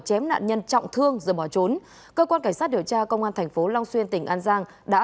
nhận nhân trọng thương rồi bỏ trốn cơ quan cảnh sát điều tra công an tp long xuyên tỉnh an giang đã